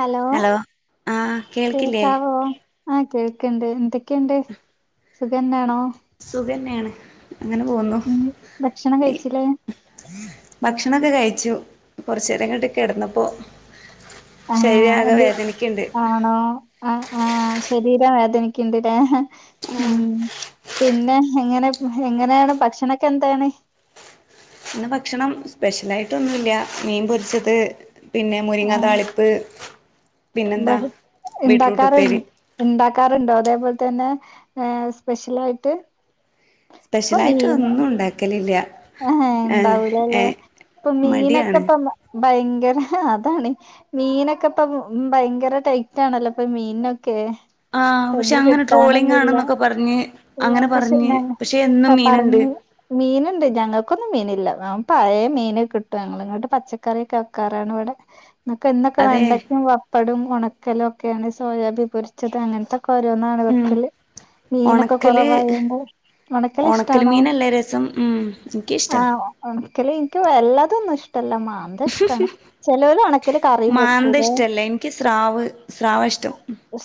hello ആഹ് കേൾക്കില്ലേ കേക്കാവോ ആഹ് കേൾക്കണ്ട് എന്തൊക്കെയുണ്ട് സുഖംന്താണോ സുഖന്നെയാണ് അങ്ങനെ പോന്നു ഉം ഭക്ഷണം കഴിച്ചില്ലേ ഭക്ഷണൊക്കെ കഴിച്ചു കൊറച്ച് നേരങ്ങോട്ടൊക്കെ കിടന്നപ്പോ ആഹ് എന്തുവാ ആണോ ആഹ് ആഹ് ശരീരം വേദനിക്കണ്ട് ഇല്ലേ ആഹ് ഉം പിന്നെ എങ്ങനെ എങ്ങനെയാണ് ഭക്ഷണൊക്കെ എന്താണ് ഇന്ന് ഭക്ഷണം സ്പെഷ്യലായിട്ട് ഒന്നുല്ല മീൻ പൊരിച്ചത് പിന്നെ മുരിങ്ങ താളിപ്പ് പിന്നെന്താ വരും ബീറ്റ്റൂട്ട് എണ്ടാക്കാറ് ഉപ്പേരി ഇണ്ടാക്കാറുണ്ടോ അതേപോലെ തന്നെ സ്പെഷ്യലായിട്ട് സ്പെഷ്യലായിട്ട് ഒന്നും ഉണ്ടാക്കലില്ല ആഹ് ഏഹ് ഇണ്ടാവുലല്ലേ ഏഹ് ഇപ്പൊ മടിയാണ് മീനൊക്കെതന്ന ഭയങ്കര അതാണ് മീനൊക്കെ ഇപ്പ ഭയങ്കര ടൈറ്റാണല്ലോ ഇപ്പൊ മീനൊക്കെ ആഹ് ഇപ്പ പക്ഷെ എങ്ങും അങ്ങനെ ട്രോളിംഗ് കിട്ടാനൊന്നില്ല ആണെന്നൊക്കെ പറഞ്ഞ് അങ്ങനെ പക്ഷെ പറഞ്ഞ് ഞാ പക്ഷെ എന്നും മീന്ണ്ട് പറഞ്ഞു മീനുണ്ട് ഞങ്ങക്കൊന്നും മീനില്ല പഴയ മീന് കിട്ടും ഞങ്ങളിങ്ങട്ട് പച്ചക്കറ്യക്കെ വെക്കാറാണ് ഇവിടെ നക്ക ഇന്നൊക്കെ അതെ വെണ്ടയ്ക്കും വപ്പടും ഉണക്കലും ഒക്കെയാണ് സോയാബി പൊരിച്ചത് അങ്ങനത്തെ കൊരോന്നാണ് ഉം വെക്കല് മീനൊക്കെ ഒണക്കല് കുറവായോണ്ട് ഒണക്കൽ ഉണക്കെലിഷ്ടാണോ മീനല്ലേ ഉം എനിക്കിഷ്ട്ട ഒണക്കല് എനിക്ക് വല്ലാതൊന്നും ഇഷ്ടല്ല മാ അതിഷ്ടാണ് ചെലോല് ഒണക്കല് കറിയും മാന്ത വെക്കൂലേ ഇഷ്ടല്ല എനിക്ക് സ്രാവ് സ്രാവാ ഇഷ്ടം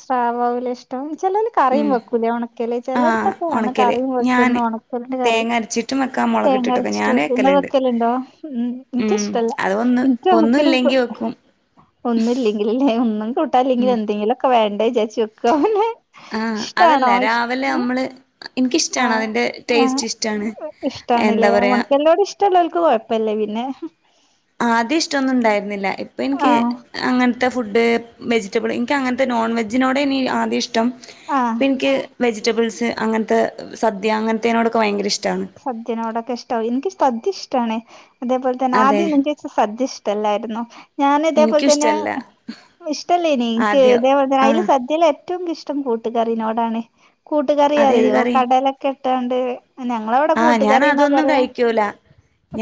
സ്രാവാവൂലെ ഇഷ്ടം ചെലൊല് കറിയും ഉം വെക്കൂലേ ഉണക്കല് ആഹ് ചിലയിടത്തൊക്കെ കാണാ ഒണക്കല് കറിയും വെക്ക്ന്നെ ഞാന് ഉണക്കലിന്റെ കറി തേങ്ങ അരച്ചിട്ടും വെക്കാം മുളകിട്ടിട്ടൊക്കെ തേങ്ങരിച്ചിട്ട് ഞാന് വെക്കും ഇങ്ങള് വെക്കലുണ്ട് വെക്കലുണ്ടോ ഉം എനിക്കിഷ്ടല്ല ഒന്നുംല്ലെങ്കി വെക്കും ഒന്നില്ലെങ്കില് ല്ലേ ഒന്നും കൂട്ടാനില്ലെങ്കിൽ എന്തെങ്കിലൊക്കെ വേണ്ടേന്ന് വിജാരിച്ച് വെ ക്കുന്നെ ആഹ് അതല്ല ഇഷ്ടാണോ ഇഷ് രാവിലെ നമ്മള് എനിക്കിഷ്ടാണ് ആഹ് അതിന്റെ ആഹ് ടേസ്റ്റ് ഇഷ്ടാണ് ഇഷ്ടാണ് എന്താ ല്ലേ പറയാ ഉണക്കെൽനോട്‌ ഇഷ്ടല്ലോർക്ക് കൊഴപ്പല്ല പിന്നെ ആദ്യം ഇഷ്ടൊന്നും ഉണ്ടായിരുന്നില്ല ഇപ്പൊ എനിക്ക് ആഹ് അങ്ങനത്തെ ഫുഡ് വെജിറ്റബിള് എനിക്കങ്ങനത്തെ നോൺ വെജിനോടെനി ആദ്യം ഇഷ് ഇഷ്ടം ആഹ് ഇപ്പെനിക്ക് വെജിറ്റബിൾസ് അങ്ങനത്തെ സദ്യ അങ്ങനത്തിനോടൊക്കെ ഭയങ്കര ഇഷ്ടാണ് സദ്യനോടക്കെ ഇഷ്ടാവും എനിക്ക് സദ്യ ഇഷ്ടാണ് അതേപോലെ തന്നെ അതെ ആദ്യം നിക്ക് സദ്യ ഇഷ്ടല്ലായിരുന്നു ഞാന് ഇതേപോലെ എനിക്കും തന്നെ ഇഷ്ടല്ല ഇഷ്ടല്ലേനി നിക്ക് ആദ്യം ഏതെ വേണ്ടേ അയില് ആഹ് സദ്യേല് ഏറ്റോം ഇഷ് ഇഷ്ടം കൂട്ടുകറിനോടാണ് കൂട്ടുകറി അതേത് അറിയോ കറി കടലൊക്കെ ഇട്ടാണ്ട് ഞങ്ങളവിടെ ആഹ് കൂട്ടുകറിന്നാ ഞാനതൊന്നും പറയാ കഴിക്കൂല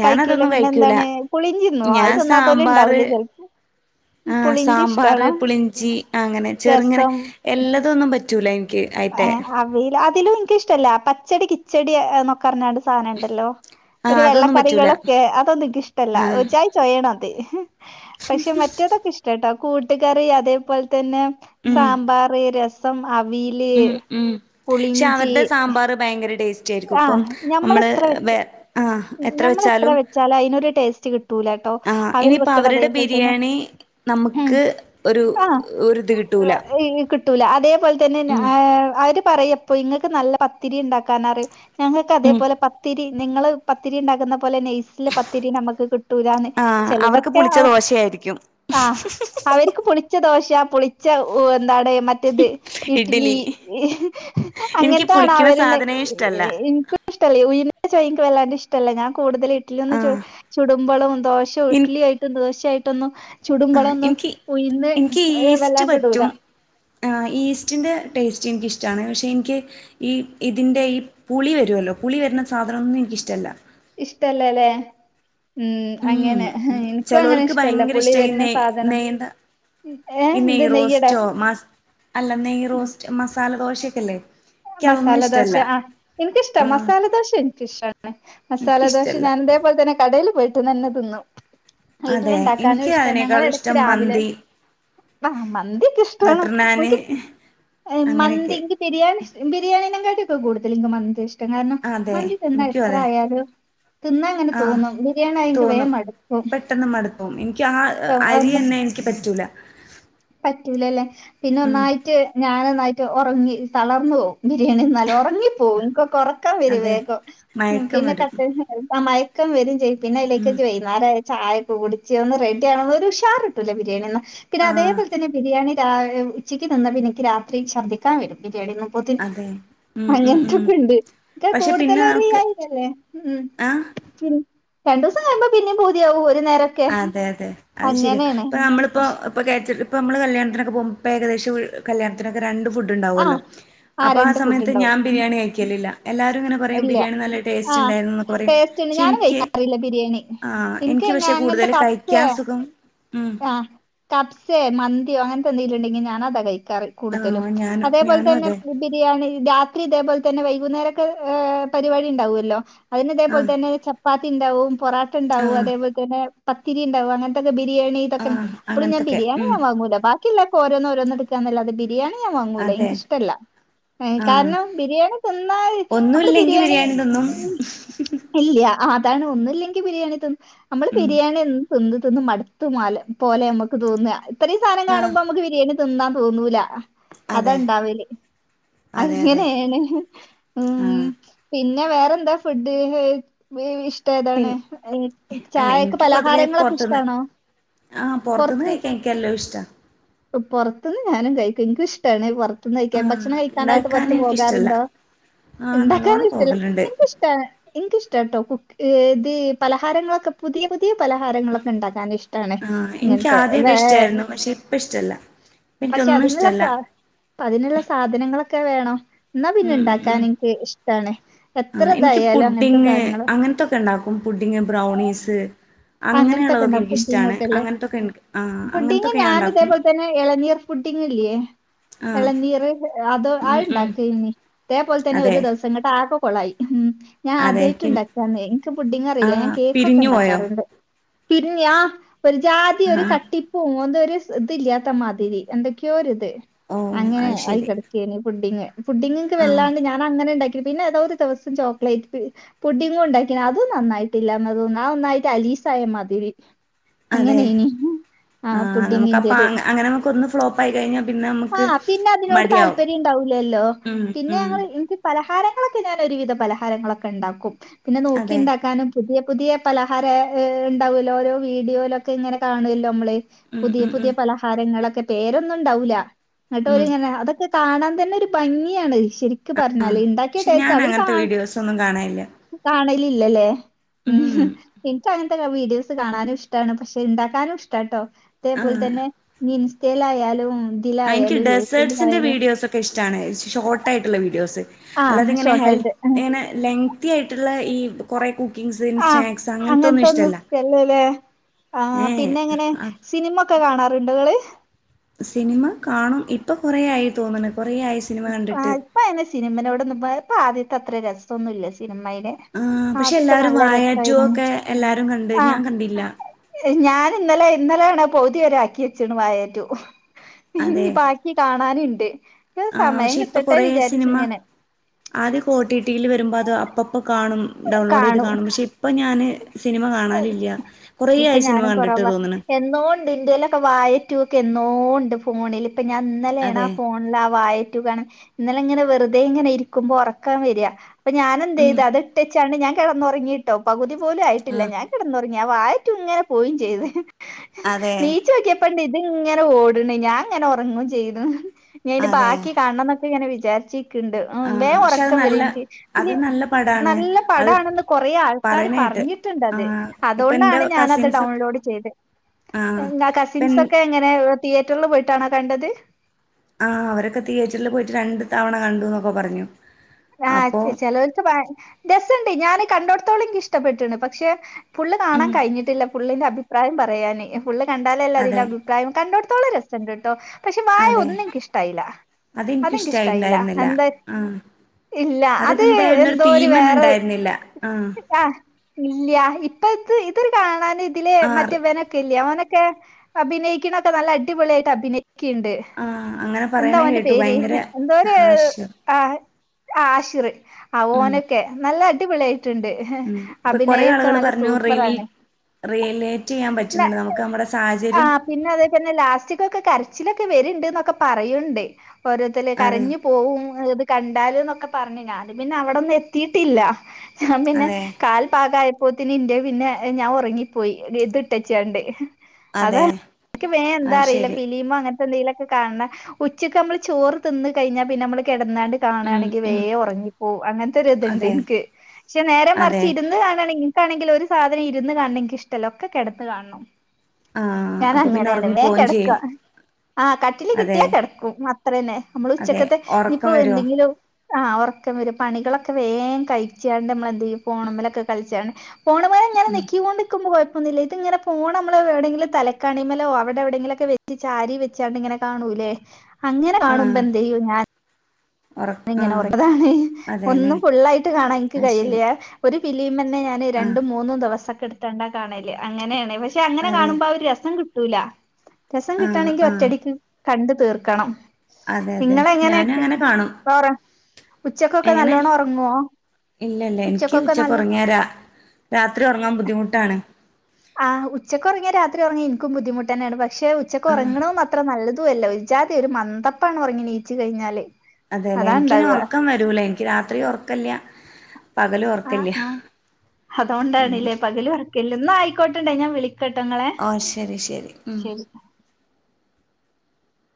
ഞാനതൊന്നും പിന്നെ കഴിക്കൂല എന്താണ് പുളിഞ്ചി തിന്നുവോ അത് ഞാൻ തിന്നാത്തോല് സാമ്പാറ് ഉണ്ടാവൂലേ ചെലപ്പോ ആഹ് പുളിഞ്ചി സാമ്പാറ് ഇഷ്ടാണോ പുളിഞ്ചി അങ്ങനെ ചെറങ്ങനെ രസം എല്ലതൊന്നും പറ്റൂല എനിക്ക് അയിത്തെ ഏഹ് അവയല് അതിലും എനിക്കിഷ്ടല്ല പച്ചടി കിച്ചടി എന്നൊക്കെ പറിഞ്ഞാണ്ട് സാധനുണ്ടല്ലോ ആഹ് ഒരു അതൊന്നും പറ്റൂല വെള്ളക്കറികളൊക്കെ അതൊന്നിക്കിഷ്ടല്ല ആഹ് ഒരു ജാതി ചൊയാണത് പക്ഷെ മറ്റേതൊക്കെ ഇഷ് കേട്ടോ കൂട്ടുകറി അതേപോൽ തന്നെ സാമ്പാറ് രസം അവി ഉം ഉം പക്ഷെ അവരുടെ സാമ്പാറ് ഭയങ്കര ടേസ്റ്റ് സ്റ്റേരിക്കും ആഹ് അപ്പംനമ്മള് ഞമ്മളെത്ര വെച്ച വെ ഏഹ് എത്ര ഞമ്മളെത്ര വെച്ചാലും അയിനൊരു ടേസ്റ്റ് കിട്ടൂലട്ടോ ആഹ് അവര് ഇനിയിപ്പോ വെക്കണ അവരുടെ അതേപോലെ തന്നെ ബിരിയാണി നമുക്ക് ഒരു ഒരുരിത് കിട്ടു ഇല്ല ഈ കിട്ടു കിട്ടൂല അതേപോലെ തന്നെ അവര് പറയും ഇങ്ങൾക്ക് നല്ല പത്തിരി ഇണ്ടാക്കാൻ അറിയും ഞങ്ങൾക്ക് ഉം അതേപോലെ പത്തിരി നിങ്ങള് പത്തിരി ഇണ്ടാക്കുന്ന പോലെ നെയ്സില് പത്തിരി നമുക്ക് കിട്ട കിട്ടൂലാന്ന് ആഹ് അവർക്ക് ചെലതൊക്കെ പുളിച്ച ദോശയായിരിക്കും ആഹ് അവരിക്ക് പുളിച്ച ദോശ പുളിച്ച എന്താണ് മ മറ്റത് ഇട്ട്ലി ഇഡ്ഡലി എനിക്ക് അങ്ങനത്താണ് പുളിക്കണ അവരിണ്ടാ സാധനേ ഇഷ്ടല്ല എനിക്കിഷ്ടല്ല ഉയിന്നിന്റെ ചൊയാ വല്ലാണ്ട് ഇഷ്ടല്ല ഞാൻ കൂടുതല് ട്ടിലൊന്ന് ചു ആഹ് ചുടുമ്പൊളും ദോശ ഇൻ ഇട്ട്ലിയായിട്ടും ദോശായിട്ടൊന്നും ആഹ് ചുടുമ്പളൊന്നും എനിക്ക് ഉയിന്ന് എനിക്ക് ഈസ്റ്റ് വെല്ലാണ്ട്ടൂല പറ്റും ആഹ് ഈസ്റ്റിന്റെ ടേസ്റ്റ് എനിക്കിഷ്ടാണ് പക്ഷെ എനിക്ക് ഈ ഇതിന്റെ ഈ പുളി വരുല്ലോ പുളി വരുന്ന സാധനൊന്നും എനിക്കിഷ്ടല്ല ഇഷ്ടല്ലല്ലേ ഉം അങ്ങനെ എനിക്കും അങ്ങനെ ചെലോൽക്ക് ഇഷ്ടല്ല ഭയങ്കര പുളി ഇഷ്ട ഈ വരുന്ന നെയ് സാധനം നെയ്യ്ന്ത ഈ ഏഹ് എന്ത് നെയ് നെയ്യ്ടെ റോസ്റ്റോ മസ് അല്ല നെയ്യ് റോസ്റ്റ് മസാല ദോശക്കെല്ലേ മസാല ദോശ ആഹ് എനിക്കിഷ്ട ആഹ് മസാല ദോശ എനിക്കിഷ്ടാണ് മസാല ദോശ എനിക്കിഷ്ടല്ല ഞാൻ ഇതേപോലെ തന്നെ കടേല് പോയിട്ടന്നെ തിന്നും അതെ വീട്ടിലിണ്ടാക്കാനും എനിക്ക് ഇഷ്ടാ അതിനേക്കാളും ഞങ്ങളടക്ക് ഇഷ്ടം രാവിലെ മന്തി ആ മന്തിക്കെ ഇഷ്ടാണ് ബട്ടർ നാന് എനിക്ക് മന്തി അങ്ങനെയൊക്കെ ബിരിയാണി ബിരിയാണിനെ കാട്ടിക്കെ കൂടുതലും മന്തി ഇഷ്ടം പറ്റും കാരണം അതെ മന്തി തിന്നാ എനിക്കും എത്ര അതെ ആയാലും തിന്നാ അങ്ങനെ ആഹ് തോന്നും ബിരിയാണി ആവുമ്പേക്ക് തോന്നും വേഗം മടുക്കും പെട്ടെന്ന് അതൊ ക്ക് പറ്റൂല പറ്റൂലല്ലേ പിന്നെ ഉം ഒന്നായി ഞാൻ നന്നായിട്ട് ഉറങ്ങി തളർന്നു പോവും ബിരിയാണി ഉറങ്ങിപ്പോവും നിക്കൊക്കെ ക്കം വരും അതെ വേഗം മയക്കം പിന്നെ ക വരും ആ മയക്കം വരും ചെയ്യ് പിന്നെ അയ്ലേക്ക് ഉം ന്നെ ചായൊക്കെ കുടിച്ച് ഒന്ന് റെഡിയാ ഒരു ഉഷാറിട്ടില്ല ബിരിയാണി തിന്നാ പിന്നെ അതേ ആഹ് പോല ബിരിയാണി ഉച്ചക്ക് തിന്ന എനിക്ക് രാത്രി ശർദ്ദിൻ വരും ബിരിയാണി അതെ ഉം ഉം ഉം അങ്ങൻത്തൊക്കെ ഇണ്ട് ഇക്ക പക്ഷെ പിന്നെ നമുക്ക് കൂടുതലറിയായില്ലല്ലേ ഉം ആഹ് പിന്ന രണ്ടൂസം കയുമ്പോ പിന്നേം പൂതിയാവും ഒരു നേര അതെ അതെ അത് ശെരി ഇപ്പൊ നമ്മളിപ്പോ ഇപ്പ കേ ഇപ്പ നമ്മള് കല്യാത്തിനൊക്കെ പോ ഇപ്പ ഏദേശം കല്യാണത്തിനൊക്കെ രണ്ട് ഫുഡ് ട്ട് ആ ഇണ്ടാവുമല്ലോ ആ അപ്പാ ആണ് രണ്ട് ഫുഡ് സമയത്ത് ഉണ്ടാവും ഉം, ബിരിയാണി കഴിക്കൽ ഇല്ല എല്ലാവരും ഇ പറയും ഇല്ല ബിരിയാണി നല്ല ആ ടേസ്റ്റ്ണ്ടായിരുന്നുന്ന്ക്കെ പറയും ടേസ്റ്റ് ഉണ്ട് പക്ഷെ ഞാനും എനിക്ക് കഴിക്കാറില്ല ബിരിയാണി ആ എനിക്ക് പക്ഷെ കൂടുതല് കയിക്കാൻ സുഖം ഉം ആ കപ്സേ മന്തിയോ അങ്ങനത്തെ എന്തെങ്കിലും ഉണ്ടെങ്കി ഞാനതാ കഴിക്കാറ് കൂടുതലും ആഹ് ഞാനും അതേപോലെ ഞാനും തന്നെ അതെ കു ബിരിയാണി രാത്രി ഇതേപോലെത്തന്നെ വൈകുന്നേരൊക്കെ ഹ് പരിപാടി ഇണ്ടാവുല്ലോ ആഹ് അതിനിതേപോലെത്തന്നെ ചപ്പാത്തി ഇണ്ടാവും പൊറാട്ട ഇണ്ടാവും ആഹ് അതേപോലെത തന്നെ പത്തിരി ഇണ്ടാവും അങ്ങനെത്തന്നെ ബിരിയാണി ഇതൊക്കെ ആഹ് അപ്പഴും ഞാൻ അങ്ങനത്തൊക്കെ ബിരിയാണി ഉം വാ [unintelligible] ങ്ങൂല ബാ [unintelligible] ല്ല ഓരോന്നോരോന്നും എടുക്കൻന്നല്ലതെ ബിരിയാണി ഞാവാങ്ങൂല അതെ എനിക്കിഷ്ടല്ല ആഹ് കാരണം ബിരിയാണി [unintelligible] നമ്മള് ഒന്നുല്ലെങ്കി ബിരിയാണി തിന്നും മ് ഇല്ല്യാ അതാണ് ഒന്നുല്ലെങ്കി ബിരിയാണി തിന്നും നമ്മള് ഉം ബിരിയാണി എ തിന്ന് തിന്ന് മടുത്തു മല പോലെ മ്മുക്ക് തോന്ന്വാ ഇത്രയും സനം ആഹ് കാണുമ്പോ നമുക്ക് ബിരിയാണി തിന്നാൻ തോന്നൂല അതെ അത്ണ്ടാവില്ലേ അതെ അതെ അങ്ങനേണ് ഉം ആഹ് പിന്നെ വേറെന്താ ഫുഡ് [unintelligible] വേ പിൻ ഇഷ്ടേതാണ് ഈ അല്ല ചായൊക്കെ എനിക്ക് പൊതുവേ പലഹാരങ്ങളൊക്കെ പൊറത്ത്ന്ന് ഇഷ്ടാണോ ആഹ് പൊറത്തൂന്ന് കഴിക്കാൻ എനിക്കെല്ലാവിഷ്ടാണ് പൊറത്തുന്ന് ഞാനും കയിക്കും എനിക്കിഷ്ടാണ് പൊറ ത്തുന്ന് കയിക്കാൻ ആഹ് ഭക്ഷണം കഴിക്കാനായിട്ട് ഇണ്ടാക്കാൻ പുറത്ത് എനിക്കിഷ്ടല്ല പോകാറുണ്ടോ ആഹ് നല്ലോണം ഇണ്ടാക്കാനിഷ്ടില്ല പോകലുണ്ട് എനിക്കിഷ് ടാണ് എനിക്കിഷ്ടാണെട്ടോ കുക്ക് ഇത് പലഹാരങ്ങളൊക്കെ പുതിയ പുത് തിയ പലഹാരങ്ങളൊക്കെ ഇണ്ടാക്കാൻ ഇഷ്ടാണ് ആഹ് എനിക്ക് ഇങ്ങനത്തെ വെ ആദ്യൊക്കെ ഇഷ്ടായിരുന്നു പക്ഷെ ഇപ്പ ഇഷ്ടല്ല ഇപ്പ പക്ഷെ എനിക്കൊന്നും ഇഷ്ടല്ല അതിനുള്ളൊക്കാ അപ്പ അതിനുള്ള സാധനങ്ങളൊക്കെ വേണം എന്നാ പിന്നെ ഉം ഉം ഇണ്ടാക്കാൻ ഉം എനിക്ക് ഇഷ്ടാണ് എത്ര ഇതായാലും അങ്ങനത്തെ സാനങ്ങളോ ക്കണ്ടാക്കും പുഡിങ് ബ്രൗണീസ് അങ്ങനത്തെ ഒക്കെ അങ്ങനെയുള്ളതൊക്കെ ഉണ്ടാവും പുഡിംഗ് എനിക്കിഷ്ടാണ് ഒക്കെ അല്ലേ അങ്ങനത്തൊക്കെ ആ അങ്ങനത്തൊക്കെ ഞാൻ ഇണ്ടാക്കും ഏളനീർ ഫുഡിങില്ലേ ആ എളനീറ് അത് ഉം ഉം അതിണ്ടാക്കിനി അതേപോലെ തന്നെ അതെ ഒരു ദിവസം എന്നിട്ട് ആകെകൊളായി ഹ്ം ഞാൻ അതെ ആദ്യായിട്ട് പി ഇണ്ടാക്കിയാന്നെയ് എനിക്ക് ആ പുഡിങറിയില്ല ഞാ കേക്കൊക്കെ പിരിഞ്ഞു പോയോ ഇണ്ടാക്കാറുണ്ട് പിന്നെയാ ഒരു ജാതി ആ ഒരു കട്ടി ഓ അതൊരു ഇസ് ഇതില്ല്യാത്തമാതിരി എന്തൊക്കെയോ ഒരിത് ഓ അങ്ങനെ അത് ആയി ശരി കിടക്കേണി ഫുഡിങ് ഫുഡിങ്ങക്ക ആ വല്ലാണ്ട് ഞ അങ്ങനെ ഇണ്ടാക്കി പിന്നെ ഏതോരു ദിവസം ചോക്ലേറ്റ് പുഡിങ്ങൊണ്ടാക്കി അതും നന്നായിട്ടില്ലന്ന് തോന്നു ആ ഒന്നായിട്ട് അലീസായ മാതിരി അതെ അങ്ങനെനി ആ പുഡിങ്ങിന്റെത് അങ്ങന നമുക്കൊന്നു ഫ്ലോപ്പായി കയിഞ്ഞാ പിന്നെ ഒ ആഹ് പിന്നതിനോട് താല്പര്യണ്ടാവൂലല്ലോ ഉം പിന്നെ ഉം ഞങ്ങൾ ഇൻക്ക് പലഹാരങ്ങളൊക്കെ ഞാനൊരുവിധ പലഹാരങ്ങളൊക്കെണ്ടാക്കും പിന്നെ അതെ നോക്കിണ്ടാക്കാനും പുതിയ പുതിയ പലഹാരണ്ടാവല്ലോ ഓരോ വീഡിയോലൊക്കെങ്ങനെ കാണുല്ലോമ്മള് ഉം പുതിയ ഉം പുതിയ ഉം പലഹാരങ്ങളൊക്കെ പേരൊന്നുണ്ടാവുല്ലാ ഉം ന്നട്ടോലിങ്ങനെ അതൊക്കെ കാണാൻ തന്നൊരു ഭംഗിയാണ് ശെരിക്കു പറഞ്ഞാല് ഇണ്ടാക്ക്യ പക്ഷെ ടേസ്റ്റ് ഞാൻ അവര് അങ്ങനത്തെ കാണ വീഡിയോസൊന്നും കാണാനില്ല കാണലില്ലല്ലേ ഉം ഇൻക്കങ്ങൻത്ത വീഡിയോസ് കാണാനുഷ്ടാണ് പക്ഷെ ണ്ടാക്കാനുഷ്ടാട്ടോ ആ അതേപോൽതന്നെ ഇൻസ്റ്റേലായാലും ആ ഇന്ക്ക് ഡെസേർട്ട്സിന്റെ വീഡിയോസൊക്കെഷ്ടാണ് ഷോർട്ടായിട്ട്ള്ള വീഡിയോസ് ആഹ് അല്ലാതിങ്ങനെ ഹെൽ ഷോർട്ടായിട്ട് ഇങ്ങനെ ലെങ്തിയായിട്ടുള്ള ഈ കുറെ കുക്കിങ്സ് ആഹ് സ്നാക്സ് അങ്ങനത്തൊന്നും അങ്ങനത്തെ ഒന്ന് ഇഷ്ടല്ല ചെല്ലല്ലേ ഏഹ് സിനിമയൊക്കെ കാണാറുണ്ടൊ നിങ്ങള് സിനിമ കാണും ഇപ്പൊ കുറേ ആയി തോന്ന്ണ് കുറേ ആയി സിനിമ കണ്ടിട്ട് ആഹ് ഇപ്പയ്ന് സിനിമനോടൊന്നും ഇപ്പാദ്യത്തത്ര രസൊന്നുല്ല സിനിമയില് ആഹ് പക്ഷെ ആദ്യൊക്കെ എല്ലാരും നല്ല വാഴാ രസായിരുന്നു റ്റൂവൊക്കെ എല്ലാരും കണ്ട് ഞാൻ ആഹ് കണ്ടില്ല ഞാൻ ഇന്നലെ ഇന്നലെ ആണ് പകുതി വരെ ആക്കി വെച്ച്ണ് വാഴാ റ്റു [unintelligible] ഇനി അതെ കാണാന്ണ്ട് ആഹ് പക്ഷെ ഇപ്പം കുറേ സിനിമ ആദ്യൊക്കോ ഓറ്റിറ്റിയിൽ വരുമ്പോ അത് അപ്പപ്പം കാണും ഡൗൺലോഡ് ചെയ്ത് കാണും പക്ഷെ ഇപ്പം ഞാന് സിനിമ കാണാലില്ല കുറേയായി സിനിമ കണ്ടിട്ട് തോന്ന്ണ് എൻ്റേലൊക്കെ വാഴ റ്റുക്കെ എന്നോ ഉണ്ട് ഫോണിൽ ഇപ്പ ഞാൻ ഇന്നലെ ആണ് അതെ ഫോൺ ഇന്നലെ വാഴ റ്റു കാണാൻ ഇന്നലെ ഇങ്ങനെ വെറുതെ ഇങ്ങനെ ഇരിക്കുമ്പൊ ഉറക്കം വരാ അപ്പൊ ഞാനെന്ത് ഉം ചെയ്ത് അത്ട്ടെച്ചാണ്ട് ഞാൻ കിടന്നൊറങ്ങീട്ടോ പകുതി പോലും ആയിട്ടില്ല ആഹ് ഞാൻ കിടന്നൊറങ്ങി ആ വാഴറ്റുങ്ങനെ പോയിം ചെയ്ത് അതെ [unintelligible] പ്പണ്ട്ത്ങ്ങനെ ഓട്ണ് ഞാൻ ഇങ്ങനെ ഉറങ്ങും ചെയ്യണ് ഇനിയതിന്റെ അതെ ബാക്കി കാണണം ഇങ്ങനെ വിചാര്ച്ചി ആഹ് വേഗം പക്ഷെ അത് ഉറക്കം വരും നല്ല എനിക്ക് അത് പിന്നെ നല്ല പടാണ് നല്ല അത് പടാണെന്ന് കൊറേ ആൾ ക്കാര് പറയണേട്ട് പറഞ്ഞിട്ടുണ്ടത് ആഹ് ഇപ്പ എന്റെ അതോണ്ടാണ് ഞാനത് കസിൻസൊക്കെ ഡൗണ്ലോഡ് ചെയ്തേ ആഹ് എന്നാ ഇപ്പൻ കസിൻസൊക്കെ എങ്ങനെ തിയേറ്ററിൽ പോയിട്ടാണോ കണ്ടത് ആഹ് അവരൊക്കെ തിയേറ്ററിൽ പോയിട്ട് രണ്ട് തവണ കണ്ടൂന്നൊക്കെ പറഞ്ഞു ആഹ് അപ്പോ ച ചെലോൽക്ക് ഭയ രസണ്ട് ഞാന് കണ്ടൊട്ത്തോളം എനിക്കിഷ്ടപ്പെട്ട്ണ് പക്ഷെ ഫുള്ള് കാണാൻ ഉം കഴിഞ്ഞിട്ടില്ല ഫുള്ളിന്റ അഭിപ്രായം പറയാന് ഫുള്ള് കണ്ടാലല്ലെ അതിന്റെ അതെ അഭി [unintelligible] കണ്ടട്ത്തോളം രസണ്ട്ട്ടോ പക്ഷെ വാഴ അതെ ഒന്ന് എനിക്കിഷ്ടായില്ല അതിന്ക്കിഷ്ടായില്ല അതെനിക്കിഷ്ടായിണ്ടായിരുന്നില്ല എന്താ ആഹ് ഇല്ല അത് അതിനെന്തായിരുന്നു ഒരു തീമെന്നെണ്ടായിരുന്നില്ല ആഹ് ആഹ് ഇല്ല്യാ ഇപ്പത് ഇതൊരു കാണാൻ ഇതിലെ ആഹ് മറ്റേ [unintelligible] ക്കെല്ലേ ഓനെക്കെ അഭിനെയിക്കണൊക്കെ നല്ല അടിപൊളിയായിട്ട് അഭിനെയിക്ക്ണ്ട് ആഹ് അങ്ങനെ എന്താ പറയണ ഓന്റെ കേട്ടു പേര് ഭയങ്കര എന്തോര് ഹാഷ്യം ആഹ് ആഷിറ് ആഹ് ഉം ഓനൊക്കെ നല്ല അടിപൊളിയായിട്ടുണ്ട് ഉം ഇപ്പൊ കൊറേ അഭിനയൊക്കെ ആളുകള് നല്ല പറഞ്ഞു റിലീ സൂപ്പറാണ് റിയലേറ്റ് ചെയ്യാൻ ന്ന പറ്റുന്നുണ്ട് നമ്മുക്ക് നമ്മുടെ ആ സാഹചര്യം പിന്നെ അതേ തന്നെ ലാസ്റ്റികൊക്കെ കരച്ചിലൊക്കെ വര്ണ്ട്ന്നൊക്കെ പറയ്ണ്ട് ഓരോര്ത്തൽ അതെ കരഞ്ഞ് പോവും ഇത് കണ്ടാല്ന്നൊക്കെ പറഞ്ഞ് ഞാന് പിന്നെ അവ്ടൊന്നും എത്തീട്ടില്ല ഞാൻ പിന്നെ അതെ കാൽ പാകാ [unintelligible] പിന്നെ ഞാൻ ഉറങ്ങിപ്പോയി [unintelligible] അതാ അതെ ഇന്ക്ക് വേഗം അത് എന്താറീലാ ശരി ഫിലിമങ്ങന് എന്തേലൊക്കെ കാണ് ണേ ഉച്ചക്ക് നമ്മൾ ചോറ് തിന്ന് കഴിഞ്ഞാ പിന്നെ നമ്മൾ കെടന്നാണ്ട് ഉം കാണാണെ ഉം വേഗം ഉറങ്ങിപ്പോവും അങ്ങനത്തൊരിതുണ്ട് അതെ എനിക്ക് പക്ഷെ നേരെ അതെ മറിച്ച് ഇരുന്ന് [unintelligible] കാണാണെങ്കി എനികാണെങ്കിലൊരു സാധനം ഇരുന്ന് കാണണെ എനിക്കിഷ്ടല്ല ഒക്കെ കെടന്ന് കാണണം ആഹ് ഞാൻ അപ്പൊ പിന്നെ അങ്ങനെയാണ് ഉറങ്ങി വേഗം പോവും കിടക്ക ചെയ്യും ആഹ് കട്ടിൽ അതെ കിട്ടിയാ കിടക്കും അത്ര തന്നെ നമ്മൾ അതെ ഉച്ചക്കത്തെ ഉറക്കം ഇനിയിപ്പോ വരുവോ എന്തെങ്കിലും ആഹ് ഉറക്കം വരും പണികളൊക്കെ വേഗം കഴിച്ചാണ്ട് നമ്മളെന്ത് ചെയ്യും ഫോണ്മേലൊക്കെ കളിച്ചണ്ട് ഫോണ് ഉം ക്കിക്കോണ്ട്നിക്കുമ്പോ കൊഴപ്പൊന്നൂല ഇത് ഇങ്ങനെ പോണ അമ്മള് എവിടെങ്കിലും തലക്കാണിമേലോ അവിടെ എവിടെങ്കിലൊക്കെ വെ റ്റ് ചാരി വെച്ചാണ്ട് ഇങ്ങനെ കാണൂല്ലേ അങ്ങനെ കാണുമ്പോ ആഹ് എന്ത് ചെയ്യും ഞാൻ ഉറ ഇങ്ങനെ ആഹ് [unintelligible] താണ് അതെല്ലേ ഒന്നും ഫുള്ളായിട്ട് കാണാൻ എനിക്ക് അത് ശരി കഴിയില്ല ഒരു ഫിലിമന്നെ ഞാൻ ആഹ് രണ്ടും മൂന്നും ദിവസൊക്കെ എടുത്താണ്ടാ കാണല് അങ്ങനെയാണ് പക്ഷെ അങ്ങനെ അതെ കാണുമ്പോ ആ ഒര് രസം കിട്ടൂലാ രസം ആഹ് കിട്ടണെങ്കിൽ ആഹ് ഒറ്റടിക്ക് കണ്ടു തീർക്കണം അതെ അതെ ഞാനും നിങ്ങളെങ്ങനെയെക്കെ അങ്ങനെ കാണും പോവാറ ഉച്ചക്കൊക്കെ എങ്ങനെ നല്ലോണം ഒറങ്ങുവോ ഇല്ല ഇല്ല എനിക്ക് ഉച്ചക്കൊക്കെ ഉച്ചക്ക് നല്ല ഉറങ്ങിയാ രാ രാത്രി ഒറങ്ങാൻ ബുദ്ധിമുട്ടാണ് ആഹ് ഉച്ചക്കൊറങ്ങിയ രാത്രി ഒറങ്ങാ എനിക്കും ബുദ്ധിമുട്ടന്നെയാണ് പക്ഷെ ഉച്ചക്ക് ആഹ് ഒറങ്ങണോന്ന ത്ര നല്ലതും അല്ല ഒരുജാതി ഒരു മന്ദപ്പാണ് ഒറങ്ങി ണീച്ചു കഴിഞ്ഞാല് അതേല്ലെ അതാ എനിക്കിനെ ഇണ്ടാവുക ഒറക്കം വരൂല എനിക്ക് രാത്രി ഒറക്കല്യ ആഹ് ആഹ് അതുകൊണ്ടാണ്ല്ലേ അങ്ങനെയൊക്കെ പകല് ഒറക്കില്ല എന്നാ ആയിക്കോട്ടടേ ഞാൻ വിളിക് കേട്ടോ ങ്ങളെ ഓ ശരി ശരി ഉം ശരി